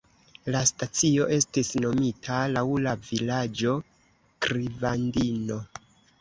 La stacio estis nomita laŭ la vilaĝo Krivandino.